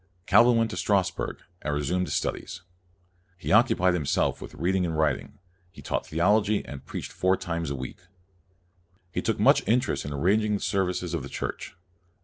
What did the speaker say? Calvin went to Strassburg, and resumed his studies. He occupied himself with reading and writing, he taught theology, and preached four times a week. He took much interest in arranging the services of the Church.